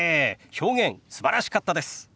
表現すばらしかったです。